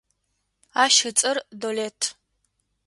Ащ ыцӏэр Долэт.